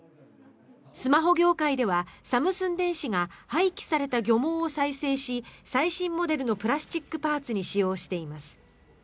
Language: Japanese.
スマホ業界ではサムスン電子が廃棄された漁網を再生し最新モデルのプラスチックパーツに使用しています。